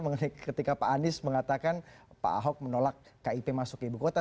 mengenai ketika pak anies mengatakan pak ahok menolak kip masuk ke ibu kota